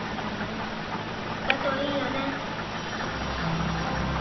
だといいよね。